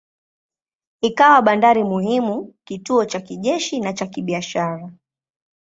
Ikawa bandari muhimu, kituo cha kijeshi na cha kibiashara.